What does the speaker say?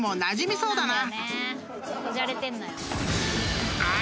小じゃれてんのよ。